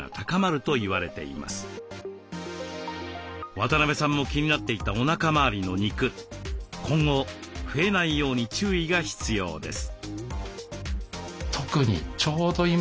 渡邊さんも気になっていたおなかまわりの肉今後増えないように注意が必要です。